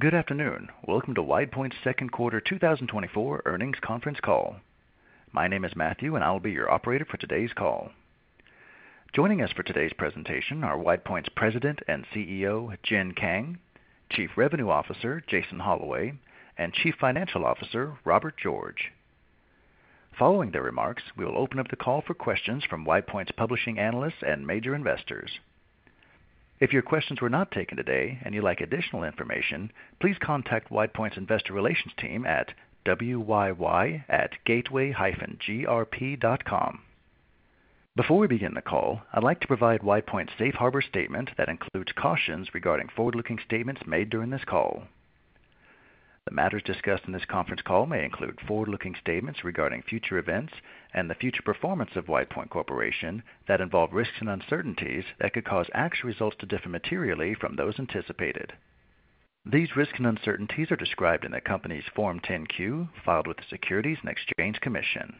Good afternoon. Welcome to WidePoint's second quarter 2024 earnings conference call. My name is Matthew, and I'll be your operator for today's call. Joining us for today's presentation are WidePoint's President and CEO, Jin Kang; Chief Revenue Officer, Jason Holloway; and Chief Financial Officer, Robert George. Following their remarks, we will open up the call for questions from WidePoint's publishing analysts and major investors. If your questions were not taken today and you'd like additional information, please contact WidePoint's Investor Relations team at wyy@gateway-grp.com. Before we begin the call, I'd like to provide WidePoint's Safe Harbor statement that includes cautions regarding forward-looking statements made during this call. The matters discussed in this conference call may include forward-looking statements regarding future events and the future performance of WidePoint Corporation that involve risks and uncertainties that could cause actual results to differ materially from those anticipated. These risks and uncertainties are described in the company's Form 10-Q, filed with the Securities and Exchange Commission.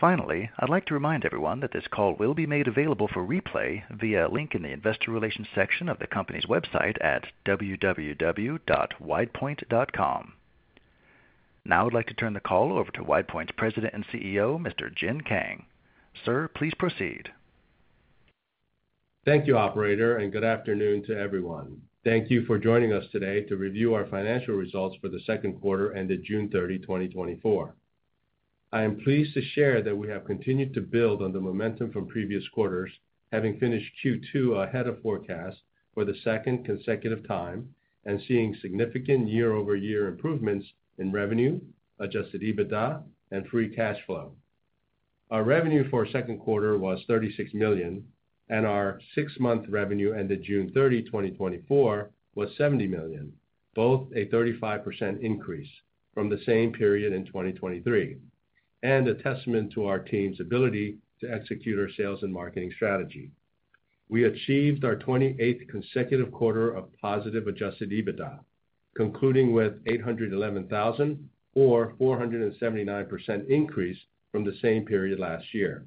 Finally, I'd like to remind everyone that this call will be made available for replay via a link in the Investor Relations section of the company's website at www.widepoint.com. Now, I'd like to turn the call over to WidePoint's President and CEO, Mr. Jin Kang. Sir, please proceed. Thank you, operator, and good afternoon to everyone. Thank you for joining us today to review our financial results for the second quarter ended June 30, 2024. I am pleased to share that we have continued to build on the momentum from previous quarters, having finished Q2 ahead of forecast for the second consecutive time and seeing significant year-over-year improvements in revenue, adjusted EBITDA, and free cash flow. Our revenue for second quarter was $36 million, and our six-month revenue ended June 30, 2024, was $70 million, both a 35% increase from the same period in 2023, and a testament to our team's ability to execute our sales and marketing strategy. We achieved our 28th consecutive quarter of positive adjusted EBITDA, concluding with $811,000 or 479% increase from the same period last year.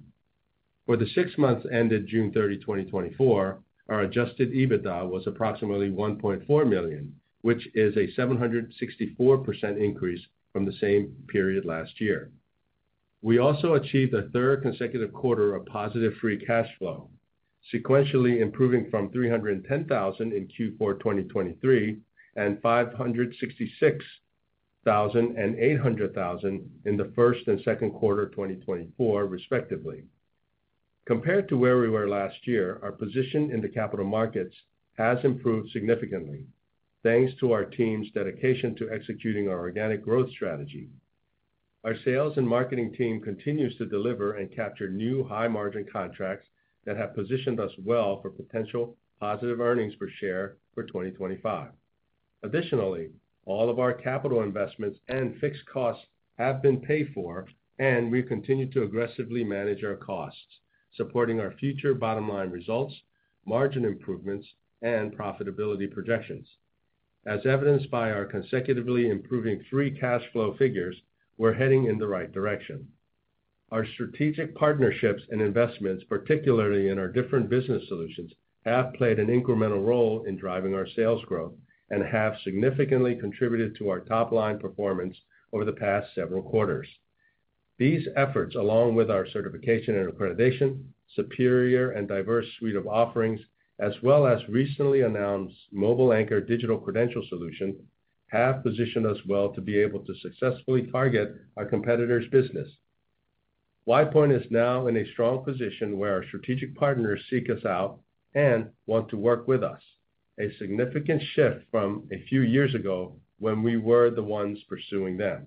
For the six months ended June 30, 2024, our adjusted EBITDA was approximately $1.4 million, which is a 764% increase from the same period last year. We also achieved a third consecutive quarter of positive free cash flow, sequentially improving from $310,000 in Q4 2023, and $566,000 and $800,000 in the first and second quarter of 2024, respectively. Compared to where we were last year, our position in the capital markets has improved significantly, thanks to our team's dedication to executing our organic growth strategy. Our sales and marketing team continues to deliver and capture new high-margin contracts that have positioned us well for potential positive earnings per share for 2025. Additionally, all of our capital investments and fixed costs have been paid for, and we continue to aggressively manage our costs, supporting our future bottom line results, margin improvements, and profitability projections. As evidenced by our consecutively improving free cash flow figures, we're heading in the right direction. Our strategic partnerships and investments, particularly in our different business solutions, have played an incremental role in driving our sales growth and have significantly contributed to our top-line performance over the past several quarters. These efforts, along with our certification and accreditation, superior and diverse suite of offerings, as well as recently announced MobileAnchor digital credential solution, have positioned us well to be able to successfully target our competitors' business. WidePoint is now in a strong position where our strategic partners seek us out and want to work with us, a significant shift from a few years ago when we were the ones pursuing them.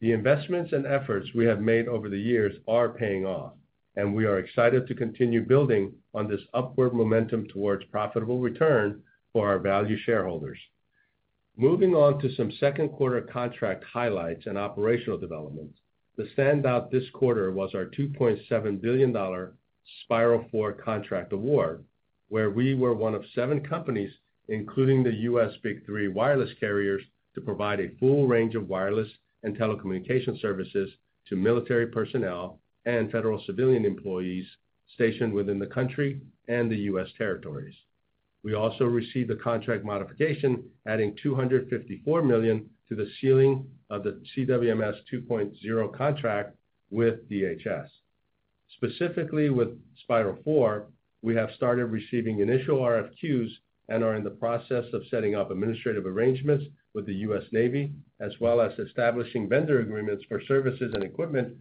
The investments and efforts we have made over the years are paying off, and we are excited to continue building on this upward momentum towards profitable return for our valued shareholders. Moving on to some second-quarter contract highlights and operational developments. The standout this quarter was our $2.7 billion Spiral 4 contract award, where we were one of seven companies, including the U.S. Big Three wireless carriers, to provide a full range of wireless and telecommunication services to military personnel and federal civilian employees stationed within the country and the U.S. territories. We also received a contract modification, adding $254 million to the ceiling of the CWMS 2.0 contract with DHS. Specifically, with Spiral 4, we have started receiving initial RFQs and are in the process of setting up administrative arrangements with the U.S. Navy, as well as establishing vendor agreements for services and equipment.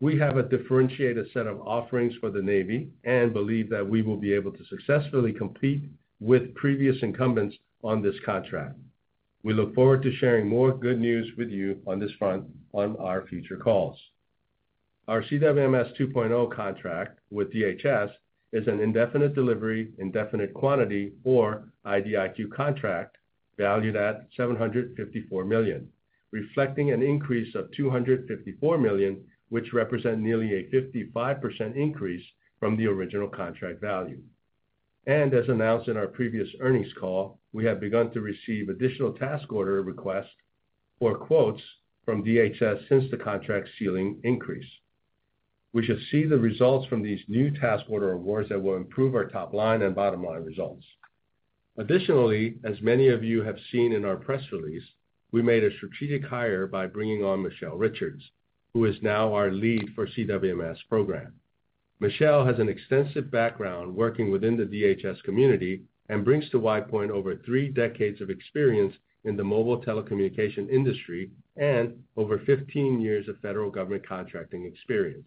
We have a differentiated set of offerings for the Navy and believe that we will be able to successfully compete with previous incumbents on this contract. We look forward to sharing more good news with you on this front on our future calls. Our CWMS 2.0 contract with DHS is an indefinite-delivery, indefinite-quantity, or IDIQ contract valued at $754 million, reflecting an increase of $254 million, which represent nearly a 55% increase from the original contract value. As announced in our previous earnings call, we have begun to receive additional task order requests for quotes from DHS since the contract ceiling increase. We should see the results from these new task order awards that will improve our top-line and bottom-line results. Additionally, as many of you have seen in our press release, we made a strategic hire by bringing on Michelle Richards, who is now our lead for CWMS program. Michelle has an extensive background working within the DHS community and brings to WidePoint over 3 decades of experience in the mobile telecommunication industry and over 15 years of federal government contracting experience.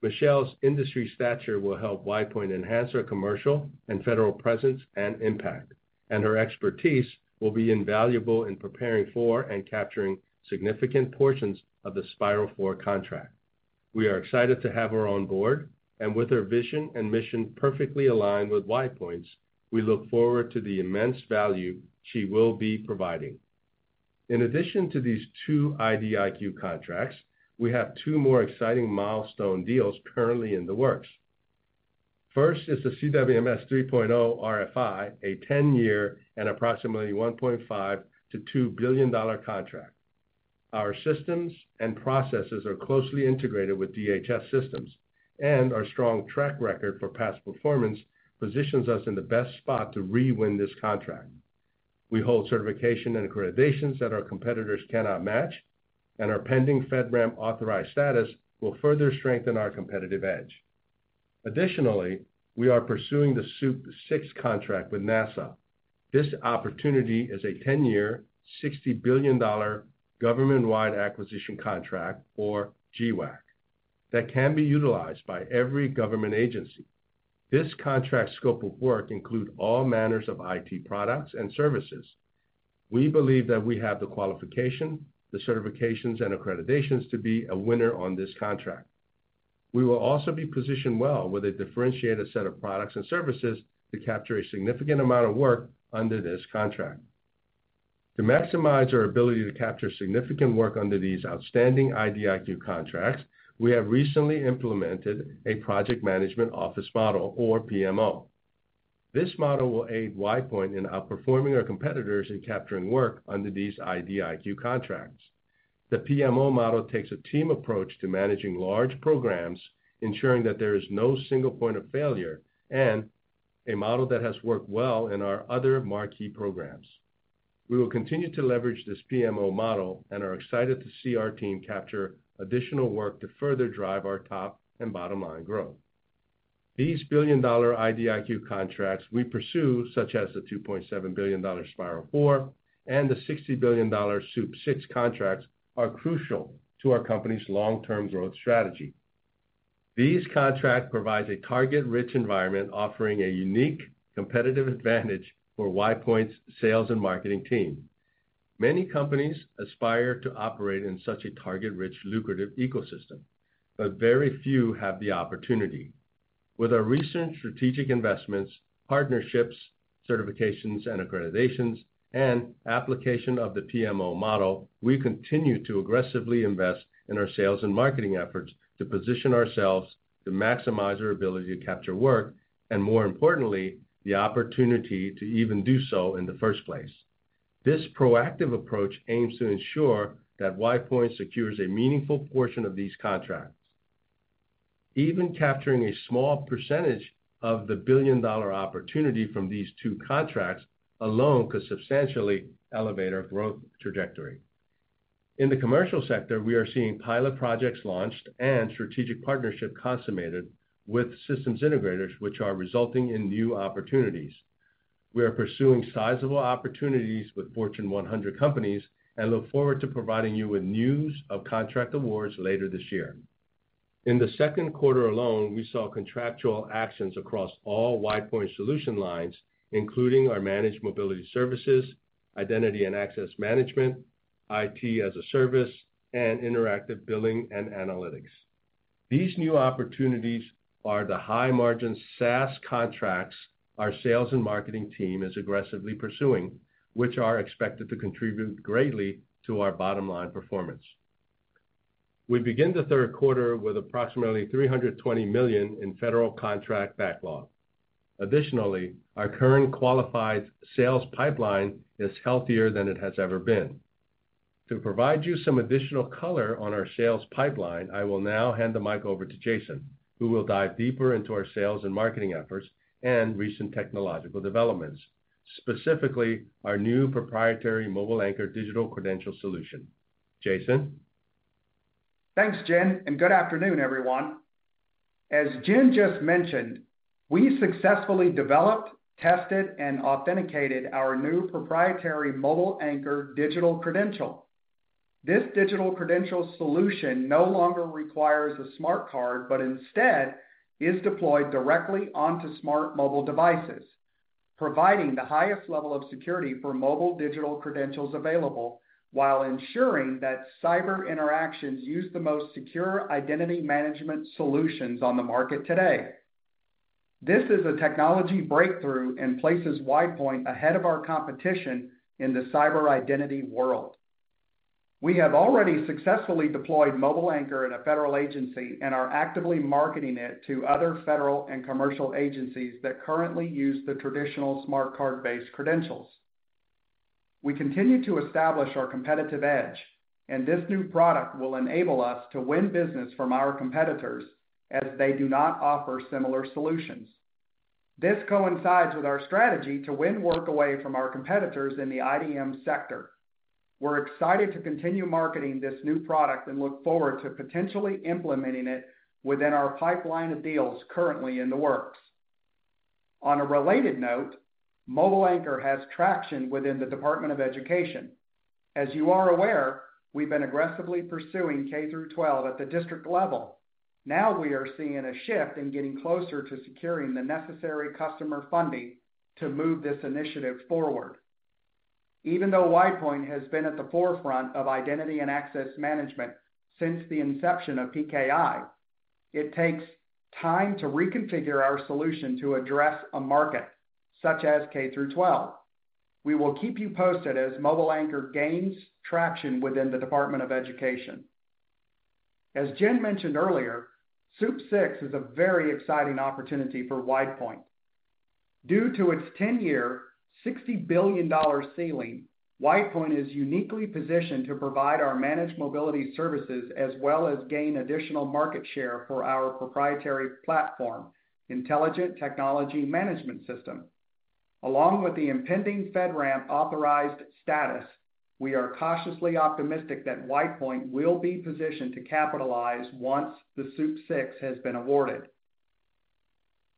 Michelle's industry stature will help WidePoint enhance our commercial and federal presence and impact, and her expertise will be invaluable in preparing for and capturing significant portions of the Spiral 4 contract. We are excited to have her on board, and with her vision and mission perfectly aligned with WidePoint's, we look forward to the immense value she will be providing. In addition to these two IDIQ contracts, we have two more exciting milestone deals currently in the works. First is the CWMS 3.0 RFI, a 10-year and approximately $1.5 billion-$2 billion contract. Our systems and processes are closely integrated with DHS systems, and our strong track record for past performance positions us in the best spot to re-win this contract. We hold certification and accreditations that our competitors cannot match, and our pending FedRAMP authorized status will further strengthen our competitive edge. Additionally, we are pursuing the SEWP VI contract with NASA. This opportunity is a 10-year, $60 billion government-wide acquisition contract or GWAC, that can be utilized by every government agency. This contract scope of work include all manners of IT products and services. We believe that we have the qualification, the certifications, and accreditations to be a winner on this contract. We will also be positioned well with a differentiated set of products and services to capture a significant amount of work under this contract. To maximize our ability to capture significant work under these outstanding IDIQ contracts, we have recently implemented a project management office model, or PMO. This model will aid WidePoint in outperforming our competitors in capturing work under these IDIQ contracts. The PMO model takes a team approach to managing large programs, ensuring that there is no single point of failure, and a model that has worked well in our other marquee programs. We will continue to leverage this PMO model and are excited to see our team capture additional work to further drive our top and bottom-line growth. These billion-dollar IDIQ contracts we pursue, such as the $2.7 billion Spiral 4 and the $60 billion SEWP VI contracts, are crucial to our company's long-term growth strategy. These contracts provide a target-rich environment, offering a unique competitive advantage for WidePoint's sales and marketing team. Many companies aspire to operate in such a target-rich, lucrative ecosystem, but very few have the opportunity. With our recent strategic investments, partnerships, certifications and accreditations, and application of the PMO model, we continue to aggressively invest in our sales and marketing efforts to position ourselves to maximize our ability to capture work, and more importantly, the opportunity to even do so in the first place. This proactive approach aims to ensure that WidePoint secures a meaningful portion of these contracts. Even capturing a small percentage of the billion-dollar opportunity from these two contracts alone could substantially elevate our growth trajectory. In the commercial sector, we are seeing pilot projects launched and strategic partnership consummated with systems integrators, which are resulting in new opportunities. We are pursuing sizable opportunities with Fortune 100 companies and look forward to providing you with news of contract awards later this year. In the second quarter alone, we saw contractual actions across all WidePoint solution lines, including our managed mobility services, identity and access management, IT as a service, and interactive billing and analytics. These new opportunities are the high-margin SaaS contracts our sales and marketing team is aggressively pursuing, which are expected to contribute greatly to our bottom-line performance. We begin the third quarter with approximately $320 million in federal contract backlog. Additionally, our current qualified sales pipeline is healthier than it has ever been. To provide you some additional color on our sales pipeline, I will now hand the mic over to Jason, who will dive deeper into our sales and marketing efforts and recent technological developments, specifically our new proprietary MobileAnchor digital credential solution. Jason? Thanks, Jin, and good afternoon, everyone. As Jin just mentioned, we successfully developed, tested, and authenticated our new proprietary MobileAnchor digital credential. This digital credential solution no longer requires a smart card, but instead is deployed directly onto smart mobile devices, providing the highest level of security for mobile digital credentials available while ensuring that cyber interactions use the most secure identity management solutions on the market today. This is a technology breakthrough and places WidePoint ahead of our competition in the cyber identity world. We have already successfully deployed MobileAnchor in a federal agency and are actively marketing it to other federal and commercial agencies that currently use the traditional smart card-based credentials... We continue to establish our competitive edge, and this new product will enable us to win business from our competitors as they do not offer similar solutions. This coincides with our strategy to win work away from our competitors in the IdM sector. We're excited to continue marketing this new product and look forward to potentially implementing it within our pipeline of deals currently in the works. On a related note, MobileAnchor has traction within the Department of Education. As you are aware, we've been aggressively pursuing K-12 at the district level. Now we are seeing a shift in getting closer to securing the necessary customer funding to move this initiative forward. Even though WidePoint has been at the forefront of identity and access management since the inception of PKI, it takes time to reconfigure our solution to address a market such as K-12. We will keep you posted as MobileAnchor gains traction within the Department of Education. As Jin mentioned earlier, SEWP VI is a very exciting opportunity for WidePoint. Due to its 10-year, $60 billion ceiling, WidePoint is uniquely positioned to provide our managed mobility services, as well as gain additional market share for our proprietary platform, Intelligent Technology Management System. Along with the impending FedRAMP authorized status, we are cautiously optimistic that WidePoint will be positioned to capitalize once the SEWP VI has been awarded.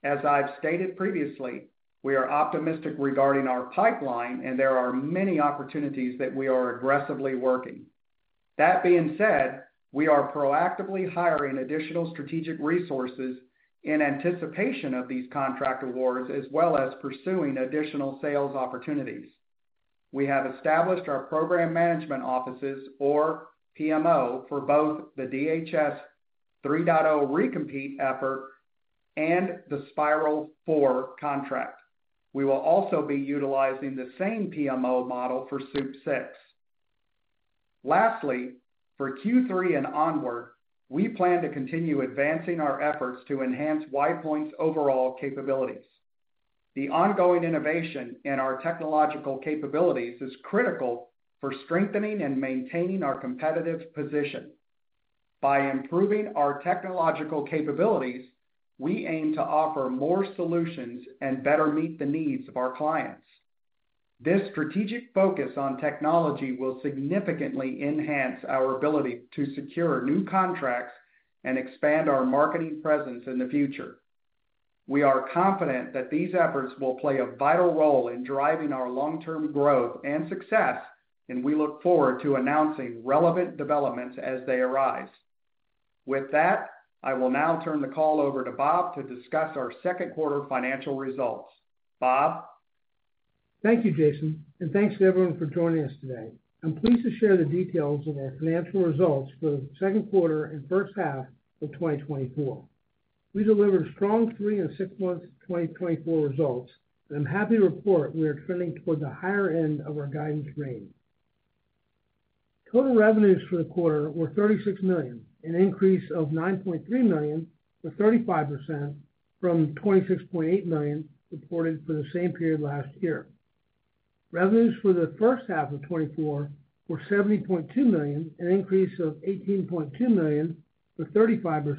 As I've stated previously, we are optimistic regarding our pipeline, and there are many opportunities that we are aggressively working. That being said, we are proactively hiring additional strategic resources in anticipation of these contract awards, as well as pursuing additional sales opportunities. We have established our program management offices, or PMO, for both the DHS 3.0 re-compete effort and the Spiral 4 contract. We will also be utilizing the same PMO model for SEWP VI. Lastly, for Q3 and onward, we plan to continue advancing our efforts to enhance WidePoint's overall capabilities. The ongoing innovation in our technological capabilities is critical for strengthening and maintaining our competitive position. By improving our technological capabilities, we aim to offer more solutions and better meet the needs of our clients. This strategic focus on technology will significantly enhance our ability to secure new contracts and expand our marketing presence in the future. We are confident that these efforts will play a vital role in driving our long-term growth and success, and we look forward to announcing relevant developments as they arise. With that, I will now turn the call over to Bob to discuss our second quarter financial results. Bob? Thank you, Jason, and thanks to everyone for joining us today. I'm pleased to share the details of our financial results for the second quarter and first half of 2024. We delivered strong 3- and 6-month 2024 results, and I'm happy to report we are trending towards the higher end of our guidance range. Total revenues for the quarter were $36 million, an increase of $9.3 million, or 35%, from $26.8 million reported for the same period last year. Revenues for the first half of 2024 were $70.2 million, an increase of $18.2 million, or 35%,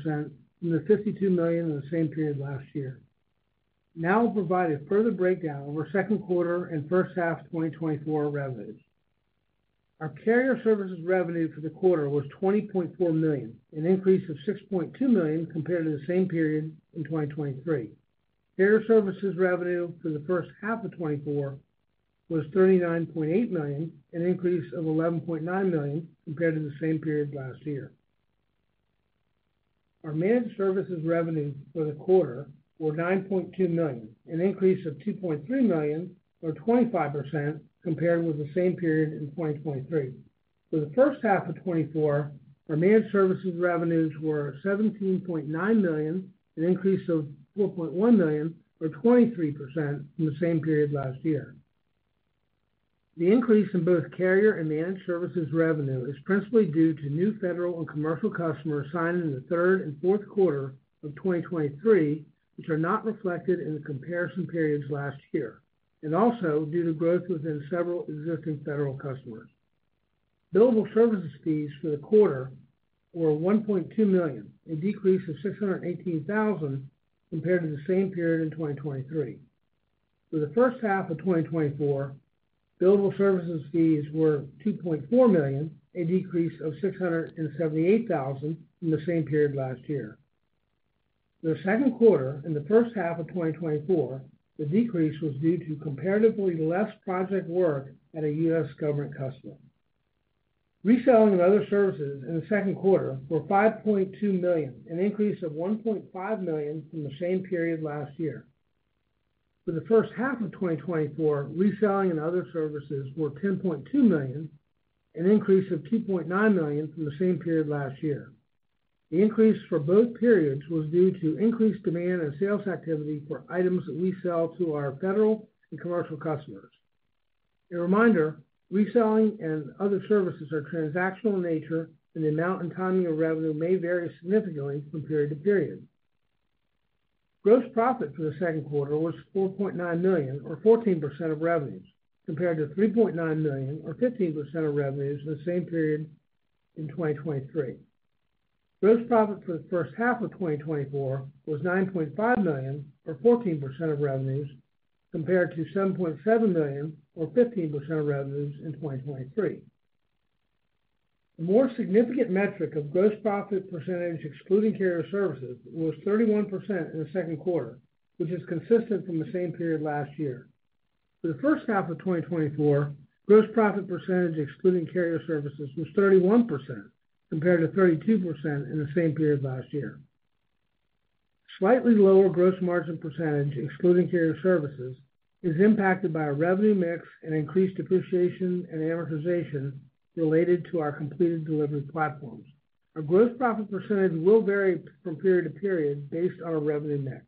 from the $52 million in the same period last year. Now I'll provide a further breakdown over second quarter and first half of 2024 revenues. Our carrier services revenue for the quarter was $20.4 million, an increase of $6.2 million compared to the same period in 2023. Carrier services revenue for the first half of 2024 was $39.8 million, an increase of $11.9 million compared to the same period last year. Our managed services revenue for the quarter were $9.2 million, an increase of $2.3 million, or 25%, compared with the same period in 2023. For the first half of 2024, our managed services revenues were $17.9 million, an increase of $4.1 million, or 23%, from the same period last year. The increase in both carrier and managed services revenue is principally due to new federal and commercial customers signed in the third and fourth quarter of 2023, which are not reflected in the comparison periods last year, and also due to growth within several existing federal customers. Billable services fees for the quarter were $1.2 million, a decrease of $618,000 compared to the same period in 2023. For the first half of 2024, billable services fees were $2.4 million, a decrease of $678,000 from the same period last year. The second quarter and the first half of 2024, the decrease was due to comparatively less project work at a U.S. government customer. Reselling and other services in the second quarter were $5.2 million, an increase of $1.5 million from the same period last year. For the first half of 2024, reselling and other services were $10.2 million, an increase of $2.9 million from the same period last year. The increase for both periods was due to increased demand and sales activity for items that we sell to our federal and commercial customers. A reminder, reselling and other services are transactional in nature, and the amount and timing of revenue may vary significantly from period to period. Gross profit for the second quarter was $4.9 million, or 14% of revenues, compared to $3.9 million, or 15% of revenues in the same period in 2023. Gross profit for the first half of 2024 was $9.5 million, or 14% of revenues, compared to $7.7 million, or 15% of revenues in 2023. A more significant metric of gross profit percentage, excluding carrier services, was 31% in the second quarter, which is consistent from the same period last year. For the first half of 2024, gross profit percentage, excluding carrier services, was 31%, compared to 32% in the same period last year. Slightly lower gross margin percentage, excluding carrier services, is impacted by a revenue mix and increased depreciation and amortization related to our completed delivery platforms. Our gross profit percentage will vary from period to period based on our revenue mix.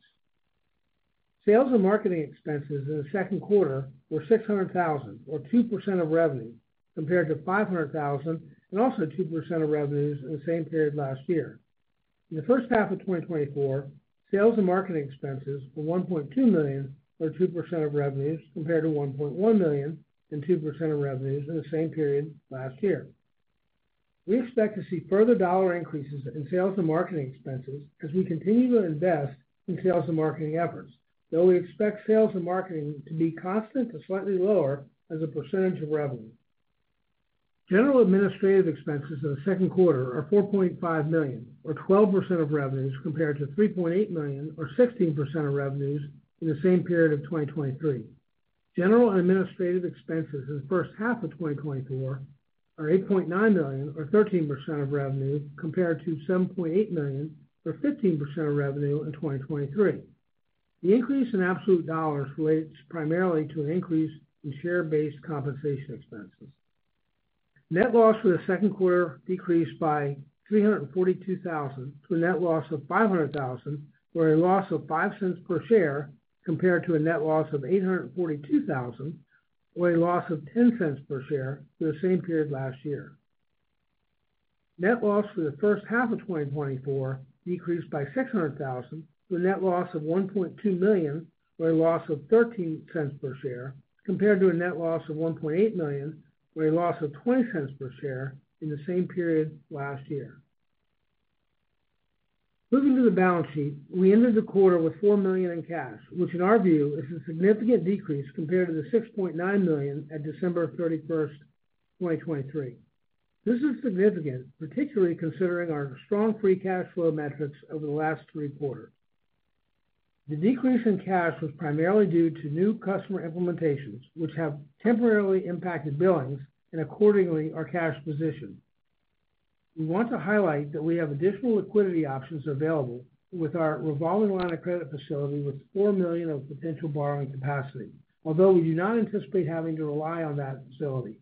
Sales and marketing expenses in the second quarter were $600,000, or 2% of revenue, compared to $500,000 and also 2% of revenues in the same period last year. In the first half of 2024, sales and marketing expenses were $1.2 million, or 2% of revenues, compared to $1.1 million and 2% of revenues in the same period last year. We expect to see further dollar increases in sales and marketing expenses as we continue to invest in sales and marketing efforts, though we expect sales and marketing to be constant to slightly lower as a percentage of revenue. General administrative expenses in the second quarter are $4.5 million, or 12% of revenues, compared to $3.8 million, or 16% of revenues, in the same period of 2023. General and administrative expenses in the first half of 2024 are $8.9 million, or 13% of revenue, compared to $7.8 million, or 15% of revenue, in 2023. The increase in absolute dollars relates primarily to an increase in share-based compensation expenses. Net loss for the second quarter decreased by $342,000 to a net loss of $500,000, or a loss of $0.05 per share, compared to a net loss of $842,000, or a loss of $0.10 per share, for the same period last year. Net loss for the first half of 2024 decreased by $600,000 to a net loss of $1.2 million, or a loss of $0.13 per share, compared to a net loss of $1.8 million, or a loss of $0.20 per share, in the same period last year. Moving to the balance sheet, we ended the quarter with $4 million in cash, which in our view, is a significant decrease compared to the $6.9 million at December 31, 2023. This is significant, particularly considering our strong free cash flow metrics over the last three quarters. The decrease in cash was primarily due to new customer implementations, which have temporarily impacted billings and accordingly, our cash position. We want to highlight that we have additional liquidity options available with our revolving line of credit facility with $4 million of potential borrowing capacity, although we do not anticipate having to rely on that facility.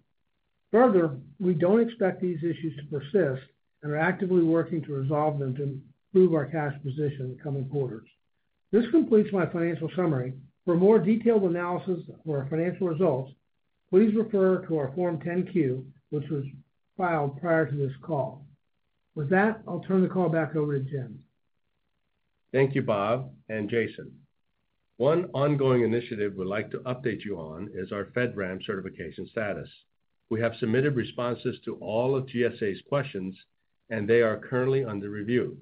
Further, we don't expect these issues to persist, and are actively working to resolve them to improve our cash position in the coming quarters. This completes my financial summary. For more detailed analysis of our financial results, please refer to our Form 10-Q, which was filed prior to this call. With that, I'll turn the call back over to Jin. Thank you, Bob and Jason. One ongoing initiative we'd like to update you on is our FedRAMP certification status. We have submitted responses to all of GSA's questions, and they are currently under review.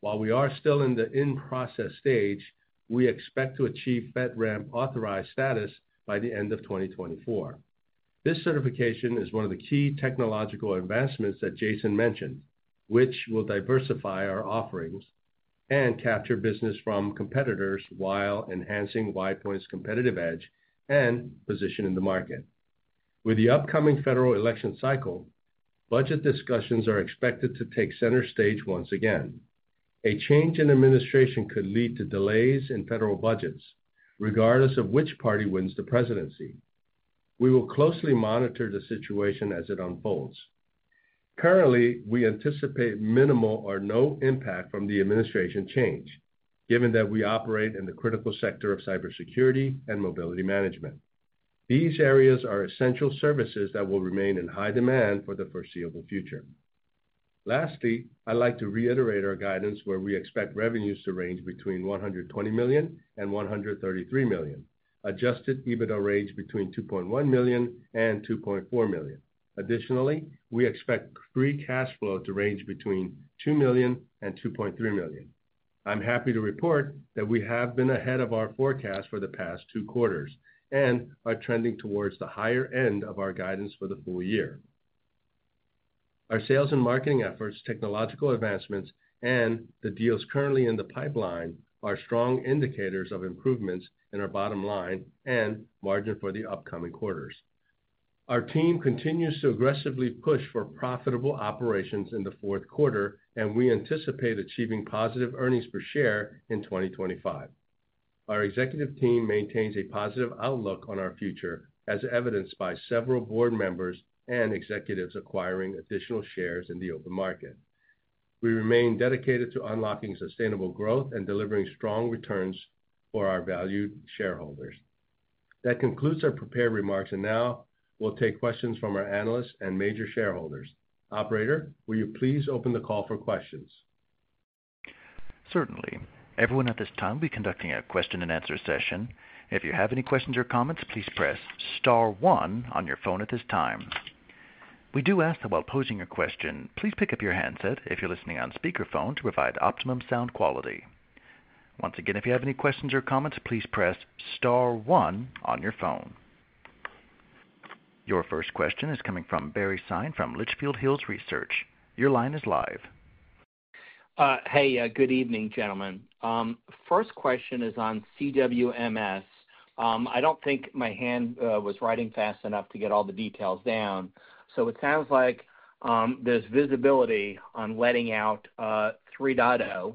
While we are still in the in-process stage, we expect to achieve FedRAMP authorized status by the end of 2024. This certification is one of the key technological advancements that Jason mentioned, which will diversify our offerings and capture business from competitors while enhancing WidePoint's competitive edge and position in the market. With the upcoming federal election cycle, budget discussions are expected to take center stage once again. A change in administration could lead to delays in federal budgets, regardless of which party wins the presidency. We will closely monitor the situation as it unfolds. Currently, we anticipate minimal or no impact from the administration change, given that we operate in the critical sector of cybersecurity and mobility management. These areas are essential services that will remain in high demand for the foreseeable future. Lastly, I'd like to reiterate our guidance, where we expect revenues to range between $120 million and $133 million. Adjusted EBITDA range between $2.1 million and $2.4 million. Additionally, we expect free cash flow to range between $2 million and $2.3 million. I'm happy to report that we have been ahead of our forecast for the past two quarters and are trending towards the higher end of our guidance for the full year. Our sales and marketing efforts, technological advancements, and the deals currently in the pipeline are strong indicators of improvements in our bottom line and margin for the upcoming quarters. Our team continues to aggressively push for profitable operations in the fourth quarter, and we anticipate achieving positive earnings per share in 2025. Our executive team maintains a positive outlook on our future, as evidenced by several board members and executives acquiring additional shares in the open market. We remain dedicated to unlocking sustainable growth and delivering strong returns for our valued shareholders. That concludes our prepared remarks, and now we'll take questions from our analysts and major shareholders. Operator, will you please open the call for questions? Certainly. Everyone at this time, we'll be conducting a question-and-answer session. If you have any questions or comments, please press star one on your phone at this time. We do ask that while posing your question, please pick up your handset if you're listening on speakerphone to provide optimum sound quality. Once again, if you have any questions or comments, please press star one on your phone. Your first question is coming from Barry Sine from Litchfield Hills Research. Your line is live. Hey, good evening, gentlemen. First question is on CWMS. I don't think my hand was writing fast enough to get all the details down. So it sounds like there's visibility on letting out 3.0.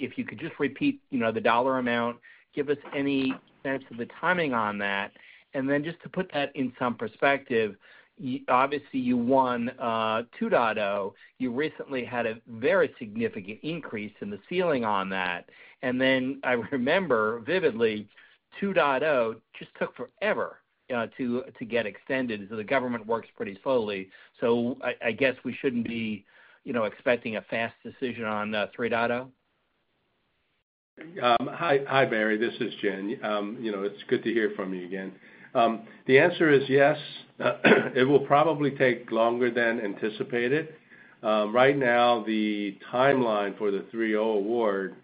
If you could just repeat, you know, the dollar amount, give us any sense of the timing on that. And then just to put that in some perspective, you obviously, you won 2.0. You recently had a very significant increase in the ceiling on that. And then I remember vividly, 2.0 just took forever to get extended, so the government works pretty slowly. So I guess we shouldn't be, you know, expecting a fast decision on 3.0? Hi, hi, Barry. This is Jin. You know, it's good to hear from you again. The answer is yes, it will probably take longer than anticipated. Right now, the timeline for the 3.0 award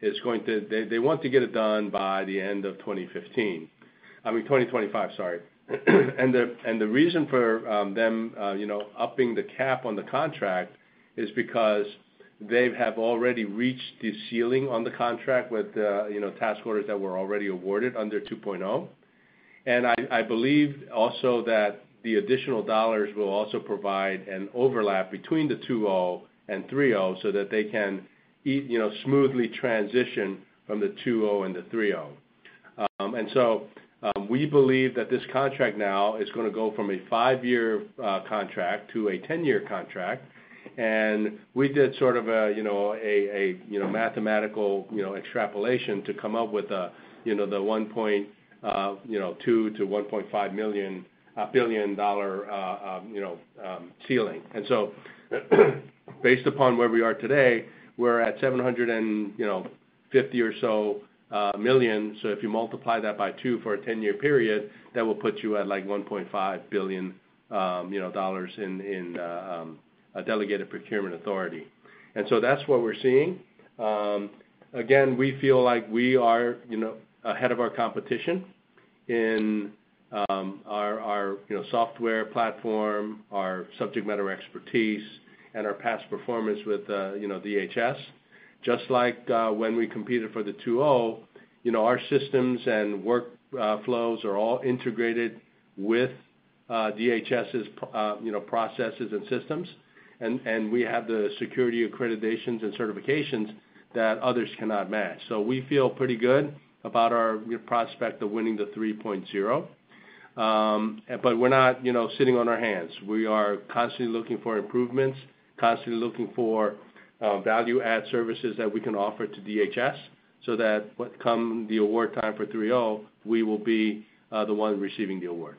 is going to—they, they want to get it done by the end of 2015, I mean 2025, sorry. And the, and the reason for them, you know, upping the cap on the contract is because they have already reached the ceiling on the contract with, you know, task orders that were already awarded under 2.0. And I, I believe also that the additional dollars will also provide an overlap between the 2.0 and 3.0 so that they can you know, smoothly transition from the 2.0 into 3.0. And so, we believe that this contract now is gonna go from a 5-year contract to a 10-year contract, and we did sort of a you know mathematical you know extrapolation to come up with a you know the $1.2 billion-$1.5 billion ceiling. And so, based upon where we are today, we're at $750 million or so. So if you multiply that by two for a 10-year period, that will put you at, like, $1.5 billion in a delegated procurement authority. And so that's what we're seeing. Again, we feel like we are, you know, ahead of our competition in, our, our, you know, software platform, our subject matter expertise, and our past performance with, you know, DHS. Just like, when we competed for the 2.0, you know, our systems and work flows are all integrated with, DHS's, you know, processes and systems, and we have the security accreditations and certifications that others cannot match. So we feel pretty good about our prospect of winning the 3.0. But we're not, you know, sitting on our hands. We are constantly looking for improvements, constantly looking for, value add services that we can offer to DHS, so that when come the award time for 3.0, we will be, the one receiving the award.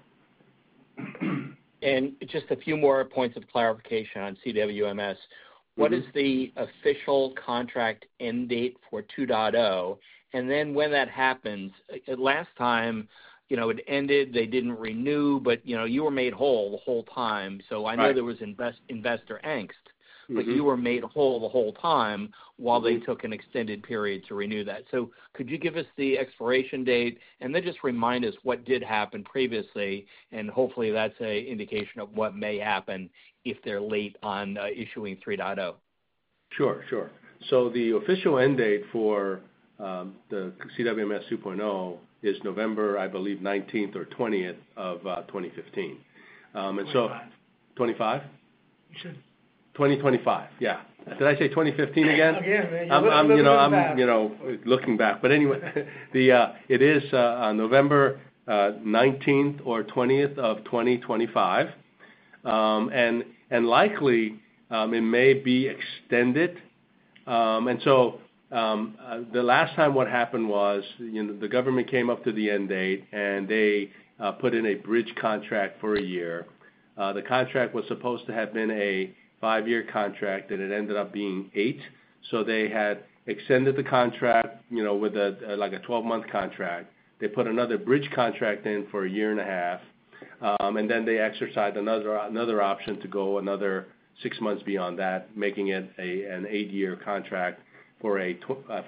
Just a few more points of clarification on CWMS. Mm-hmm. What is the official contract end date for 2.0? And then when that happens, last time, you know, it ended, they didn't renew, but, you know, you were made whole the whole time. Right. So I know there was investor angst- Mm-hmm... but you were made whole the whole time- Mm-hmm while they took an extended period to renew that. So could you give us the expiration date, and then just remind us what did happen previously, and hopefully, that's a indication of what may happen if they're late on issuing 3.0? Sure, sure. So the official end date for the CWMS 2.0 is November, I believe, 19th or 20th of 2015. 25. 25? You said. 2025. Yeah. Did I say 2015 again? Yeah, you're looking, looking back. You know, looking back. But anyway, it is on November 19th or 20th of 2025. And likely it may be extended. And so the last time what happened was, you know, the government came up to the end date, and they put in a bridge contract for a year. The contract was supposed to have been a 5-year contract, and it ended up being 8. So they had extended the contract, you know, with a, like, a 12-month contract. They put another bridge contract in for a year and a half, and then they exercised another option to go another 6 months beyond that, making it an 8-year contract for a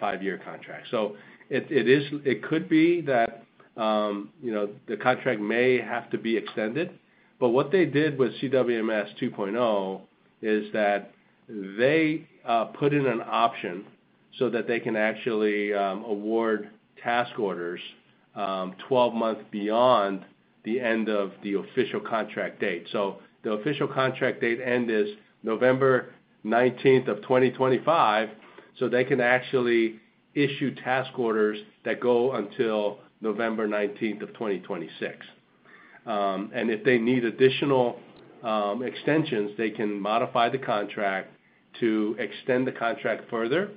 5-year contract. So, it could be that, you know, the contract may have to be extended, but what they did with CWMS 2.0 is that they put in an option so that they can actually award task orders 12 months beyond the end of the official contract date. So the official contract date end is November 19th of 2025, so they can actually issue task orders that go until November 19th of 2026. And if they need additional extensions, they can modify the contract to extend the contract further.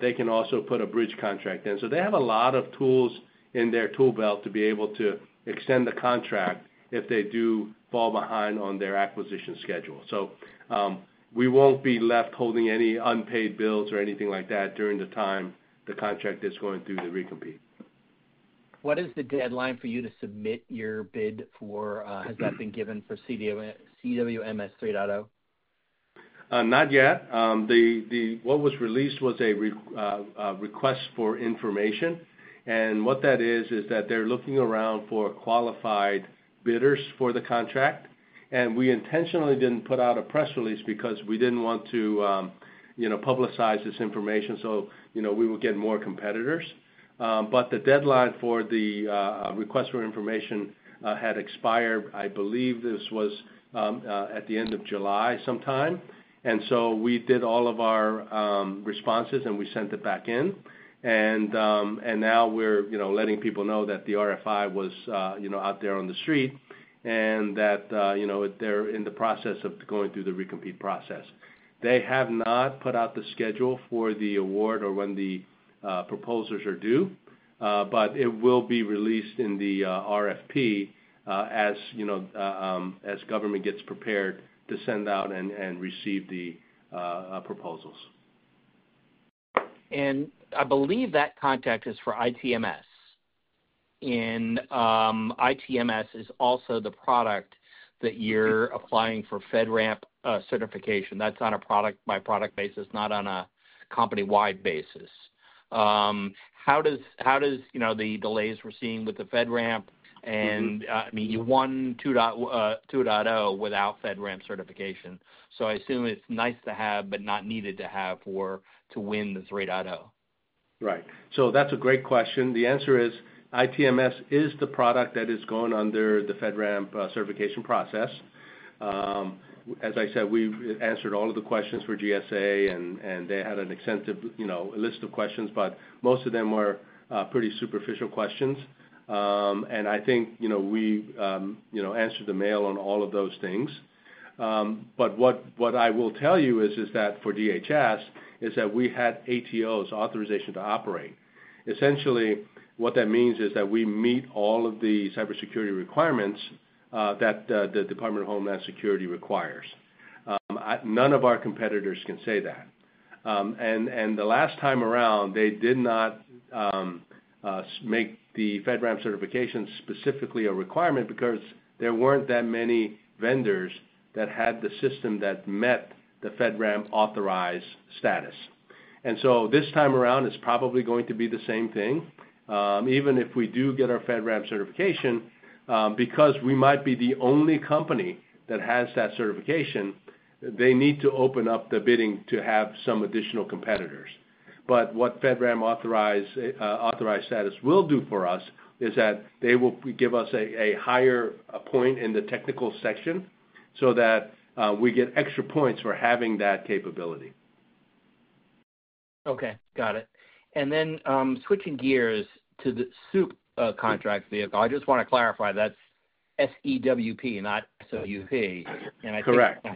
They can also put a bridge contract in. So they have a lot of tools in their tool belt to be able to extend the contract if they do fall behind on their acquisition schedule. So, we won't be left holding any unpaid bills or anything like that during the time the contract is going through the recompete. What is the deadline for you to submit your bid for CWMS 3.0? Has that been given for CWMS 3.0? Not yet. What was released was a request for information. And what that is, is that they're looking around for qualified bidders for the contract. And we intentionally didn't put out a press release because we didn't want to, you know, publicize this information so, you know, we would get more competitors. But the deadline for the request for information had expired. I believe this was at the end of July sometime. And so we did all of our responses, and we sent it back in. And now we're, you know, letting people know that the RFI was, you know, out there on the street, and that, you know, they're in the process of going through the recompete process. They have not put out the schedule for the award or when the proposals are due, but it will be released in the RFP, as you know, as government gets prepared to send out and receive the proposals. And I believe that contract is for ITMS. And, ITMS is also the product that you're applying for FedRAMP certification. That's on a product-by-product basis, not on a company-wide basis. How does, you know, the delays we're seeing with the FedRAMP and- Mm-hmm. I mean, you won 2.0 without FedRAMP certification, so I assume it's nice to have, but not needed to have or to win the 3.0. Right. So that's a great question. The answer is, ITMS is the product that is going under the FedRAMP certification process. As I said, we've answered all of the questions for GSA, and they had an extensive, you know, list of questions, but most of them were pretty superficial questions. And I think, you know, we, you know, answered the mail on all of those things. But what I will tell you is that for DHS, we had ATOs, authorization to operate. Essentially, what that means is that we meet all of the cybersecurity requirements that the Department of Homeland Security requires. None of our competitors can say that. And the last time around, they did not make the FedRAMP certification specifically a requirement because there weren't that many vendors that had the system that met the FedRAMP authorized status. And so this time around, it's probably going to be the same thing. Even if we do get our FedRAMP certification, because we might be the only company that has that certification, they need to open up the bidding to have some additional competitors. But what FedRAMP authorized status will do for us is that they will give us a higher point in the technical section so that we get extra points for having that capability. Okay, got it. And then, switching gears to the SEWP contract vehicle. I just want to clarify, that's S-E-W-P, not S-O-U-P. Correct.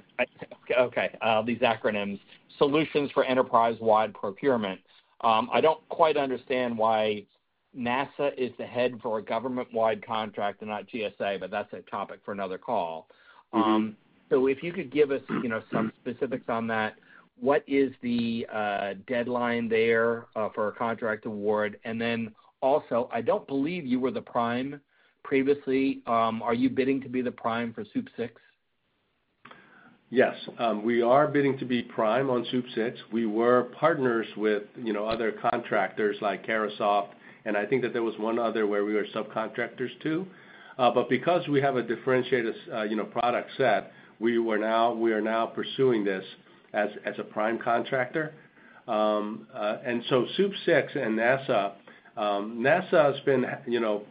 Okay. These acronyms, Solutions for Enterprise-Wide Procurement. I don't quite understand why NASA is the head for a government-wide contract and not GSA, but that's a topic for another call. Mm-hmm. So if you could give us, you know, some specifics on that, what is the deadline there for a contract award? And then also, I don't believe you were the prime previously. Are you bidding to be the prime for SEWP VI? Yes. We are bidding to be prime on SEWP VI. We were partners with, you know, other contractors like Carahsoft, and I think that there was one other where we were subcontractors, too. But because we have a differentiated, you know, product set, we are now pursuing this as a prime contractor. And so SEWP VI and NASA, NASA has been, you know,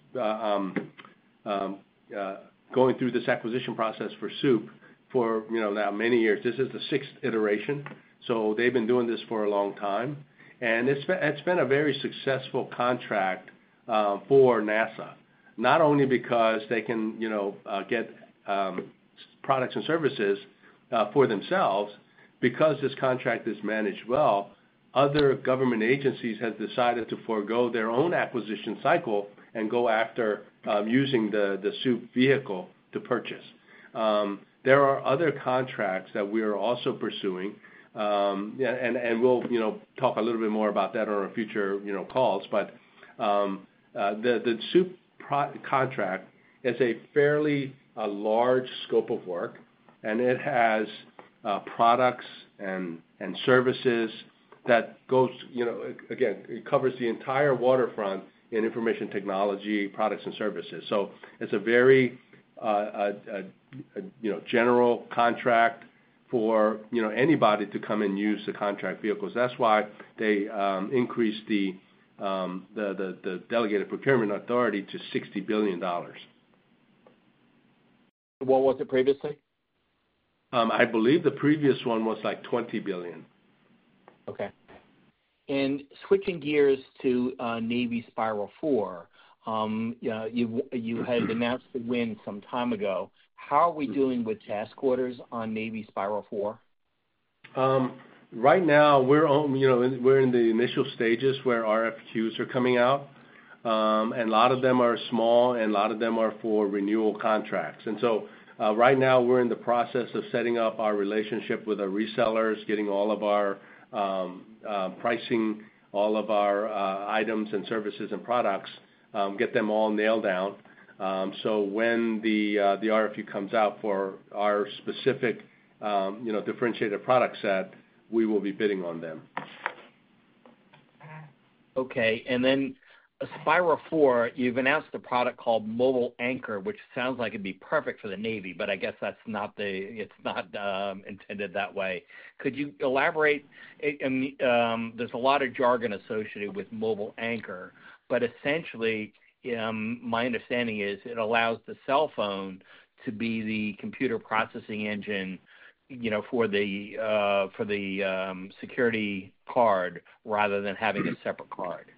going through this acquisition process for SEWP for, you know, now many years. This is the sixth iteration, so they've been doing this for a long time. And it's been, it's been a very successful contract for NASA, not only because they can, you know, get products and services for themselves. Because this contract is managed well, other government agencies have decided to forgo their own acquisition cycle and go after using the SEWP vehicle to purchase. There are other contracts that we are also pursuing. Yeah, and we'll, you know, talk a little bit more about that on our future, you know, calls. But the SEWP contract is a fairly large scope of work, and it has products and services that goes, you know. Again, it covers the entire waterfront in information technology, products, and services. So it's a very, you know, general contract for, you know, anybody to come and use the contract vehicles. That's why they increased the delegated procurement authority to $60 billion. What was it previously?... I believe the previous one was like $20 billion. Okay. Switching gears to Navy Spiral 4, yeah, you had announced the win some time ago. How are we doing with task orders on Navy Spiral 4? Right now, you know, we're in the initial stages where RFQs are coming out. A lot of them are small, and a lot of them are for renewal contracts. So right now, we're in the process of setting up our relationship with our resellers, getting all of our pricing, all of our items and services and products, get them all nailed down. So when the RFQ comes out for our specific, you know, differentiated product set, we will be bidding on them. Okay. And then Spiral 4, you've announced a product called MobileAnchor, which sounds like it'd be perfect for the Navy, but I guess that's not the. It's not intended that way. Could you elaborate? It, there's a lot of jargon associated with MobileAnchor, but essentially, my understanding is, it allows the cell phone to be the computer processing engine, you know, for the security card, rather than having a separate card.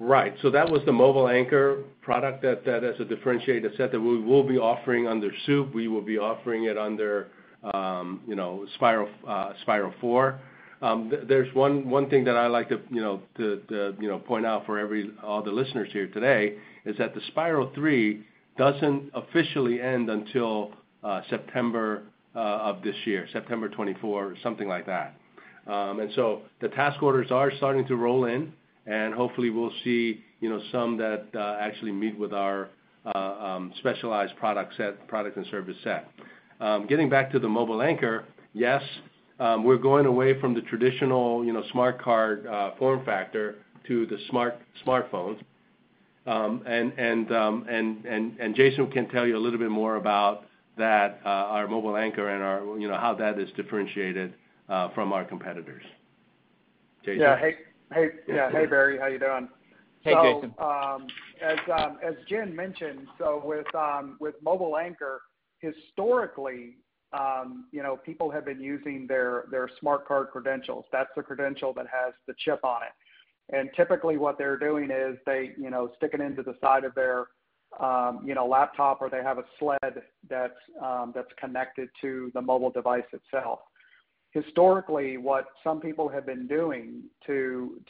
Right. So that was the MobileAnchor product that has a differentiated set that we will be offering under SEWP. We will be offering it under, you know, Spiral 4. There's one thing that I like to, you know, point out for all the listeners here today, is that the Spiral 3 doesn't officially end until September of this year, September 2024, something like that. And so the task orders are starting to roll in, and hopefully, we'll see, you know, some that actually meet with our specialized product set, product and service set. Getting back to the MobileAnchor, yes, we're going away from the traditional, you know, smart card form factor to the smart smartphone. Jason can tell you a little bit more about that, our MobileAnchor and our, you know, how that is differentiated from our competitors. Jason? Yeah, hey, hey, yeah. Hey, Barry, how you doing? Hey, Jason. So, as Jin mentioned, so with MobileAnchor, historically, you know, people have been using their, their smart card credentials. That's the credential that has the chip on it. And typically, what they're doing is they, you know, stick it into the side of their, you know, laptop, or they have a sled that's connected to the mobile device itself. Historically, what some people have been doing to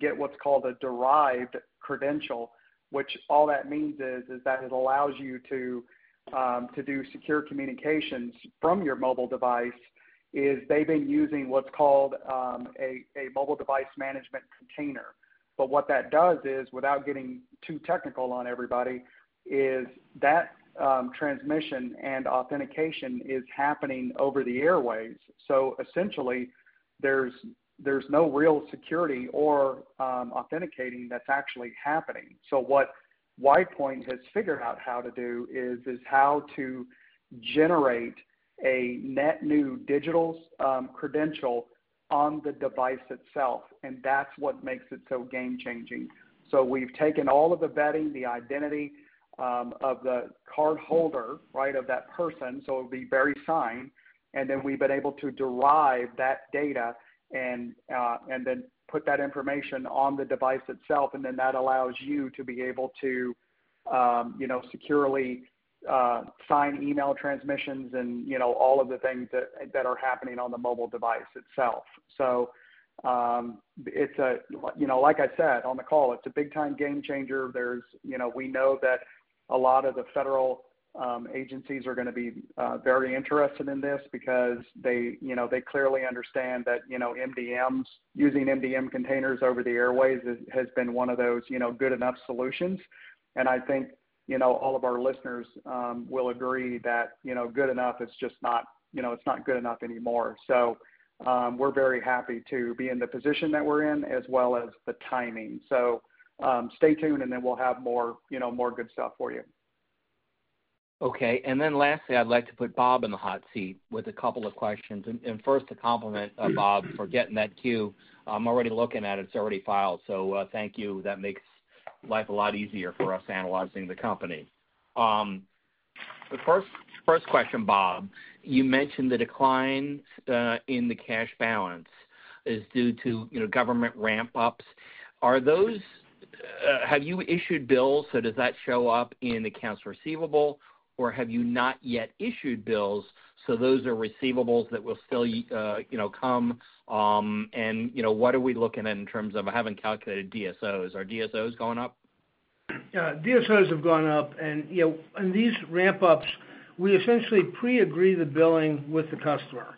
get what's called a derived credential, which all that means is that it allows you to do secure communications from your mobile device, is they've been using what's called a mobile device management container. But what that does is, without getting too technical on everybody, is that transmission and authentication is happening over the airwaves. So essentially, there's no real security or authenticating that's actually happening. So what WidePoint has figured out how to do is how to generate a net new digital credential on the device itself, and that's what makes it so game-changing. So we've taken all of the vetting, the identity of the cardholder, right? Of that person, so it'll be very signed, and then we've been able to derive that data and then put that information on the device itself, and then that allows you to be able to, you know, securely sign email transmissions and, you know, all of the things that are happening on the mobile device itself. So, it's a, you know, like I said, on the call, it's a big time game changer. There's you know, we know that a lot of the federal agencies are gonna be very interested in this because they, you know, they clearly understand that, you know, MDMs, using MDM containers over the airwaves has been one of those, you know, good enough solutions. And I think, you know, all of our listeners will agree that, you know, good enough is just not you know, it's not good enough anymore. So, we're very happy to be in the position that we're in, as well as the timing. So, stay tuned, and then we'll have more, you know, more good stuff for you. Okay, and then lastly, I'd like to put Bob in the hot seat with a couple of questions. And first, a compliment, Bob, for getting that Q. I'm already looking at it. It's already filed, so thank you. That makes life a lot easier for us analyzing the company. The first question, Bob: you mentioned the decline in the cash balance is due to, you know, government ramp-ups. Are those have you issued bills, so does that show up in accounts receivable, or have you not yet issued bills, so those are receivables that will still, you know, come, and, you know, what are we looking at in terms of... I haven't calculated DSOs. Are DSOs going up? Yeah, DSOs have gone up, and, you know, and these ramp-ups, we essentially pre-agree the billing with the customer.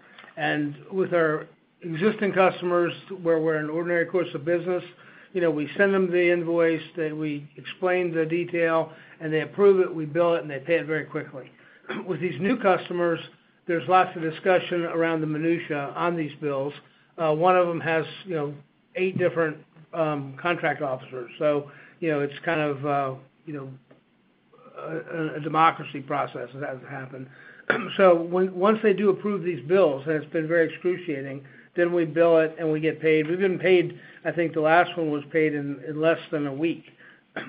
With our existing customers, where we're in ordinary course of business, you know, we send them the invoice, then we explain the detail, and they approve it, we bill it, and they pay it very quickly. With these new customers, there's lots of discussion around the minutiae on these bills. One of them has, you know, eight different contract officers. So, you know, it's kind of, you know-... a democracy process that has happened. So once they do approve these bills, and it's been very excruciating, then we bill it, and we get paid. We've been paid, I think the last one was paid in less than a week,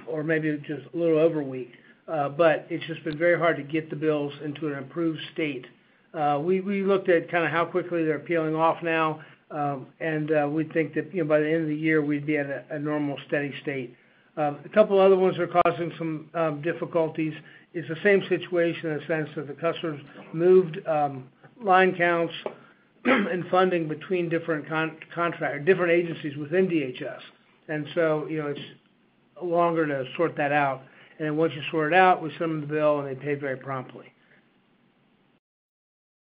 or maybe just a little over a week. But it's just been very hard to get the bills into an approved state. We looked at kinda how quickly they're peeling off now, and we think that, you know, by the end of the year, we'd be at a normal, steady state. A couple other ones are causing some difficulties. It's the same situation in the sense that the customers moved line counts and funding between different contracts, different agencies within DHS. And so, you know, it's longer to sort that out, and then once you sort it out, we send them the bill, and they pay very promptly.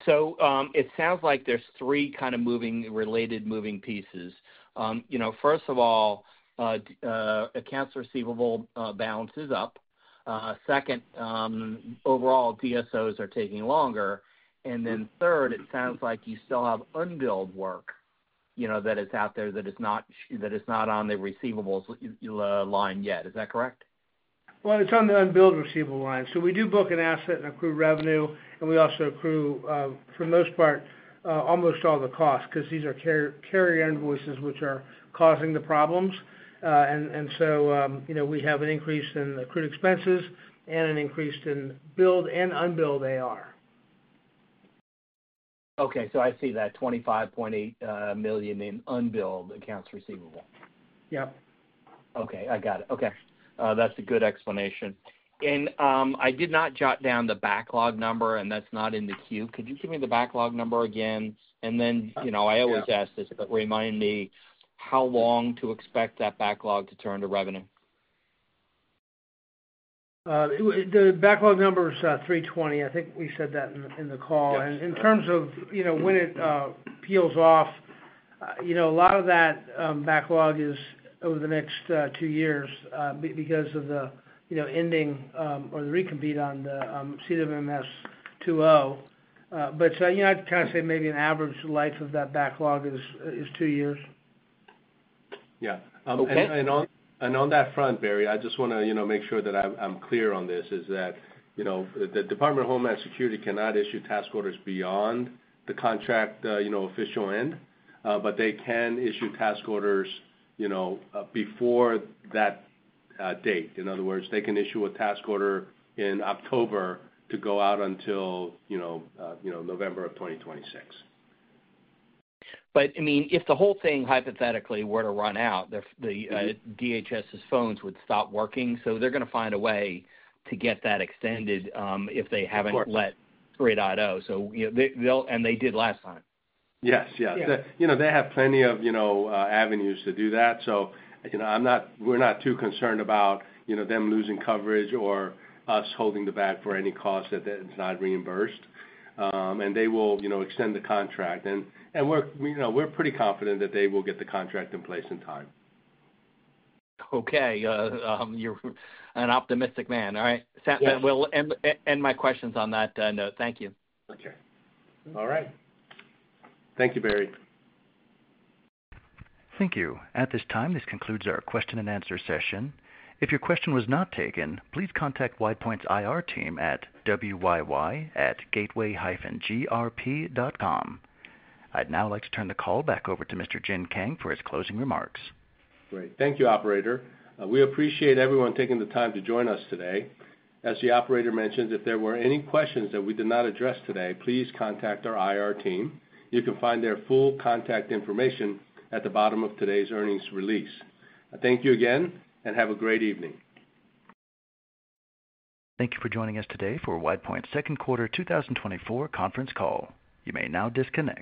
So, it sounds like there's three kind of moving, related moving pieces. You know, first of all, accounts receivable balance is up. Second, overall, DSOs are taking longer. And then third, it sounds like you still have unbilled work, you know, that is out there, that is not on the receivables line yet. Is that correct? Well, it's on the unbilled receivable line. So we do book an asset and accrue revenue, and we also accrue, for the most part, almost all the costs, 'cause these are carrier, carrier invoices, which are causing the problems. And so, you know, we have an increase in accrued expenses and an increase in billed and unbilled AR. Okay, so I see that $25.8 million in unbilled accounts receivable. Yep. Okay, I got it. Okay. That's a good explanation. And, I did not jot down the backlog number, and that's not in the queue. Could you give me the backlog number again? And then, you know, I always ask this, but remind me how long to expect that backlog to turn to revenue. The backlog number is $320. I think we said that in, in the call. Yes. And in terms of, you know, when it peels off, you know, a lot of that backlog is over the next 2 years because of the, you know, ending or the recompete on the CWMS 2.0. But, so, you know, I'd kinda say maybe an average life of that backlog is, is 2 years. Yeah. Okay. On that front, Barry, I just wanna, you know, make sure that I'm clear on this, is that, you know, the Department of Homeland Security cannot issue task orders beyond the contract, you know, official end, but they can issue task orders, you know, before that date. In other words, they can issue a task order in October to go out until, you know, November of 2026. But, I mean, if the whole thing hypothetically were to run out, the Mm-hmm. DHS's phones would stop working, so they're gonna find a way to get that extended, if they haven't- Of course... CWMS 3.0. So, you know, they, they'll... And they did last time. Yes, yes. Yes. You know, they have plenty of, you know, avenues to do that. So, you know, I'm not—we're not too concerned about, you know, them losing coverage or us holding the bag for any cost that is not reimbursed. And they will, you know, extend the contract. And we're, you know, we're pretty confident that they will get the contract in place and time. Okay, you're an optimistic man. All right. Yes. Well, end my questions on that note. Thank you. Okay. All right. Thank you, Barry. Thank you. At this time, this concludes our question and answer session. If your question was not taken, please contact WidePoint's IR team at wyy@gateway-grp.com. I'd now like to turn the call back over to Mr. Jin Kang for his closing remarks. Great. Thank you, operator. We appreciate everyone taking the time to join us today. As the operator mentioned, if there were any questions that we did not address today, please contact our IR team. You can find their full contact information at the bottom of today's earnings release. I thank you again, and have a great evening. Thank you for joining us today for WidePoint's second quarter 2024 conference call. You may now disconnect.